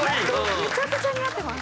めちゃくちゃ似合ってます。